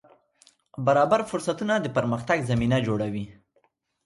برابر فرصتونه د پرمختګ زمینه جوړوي.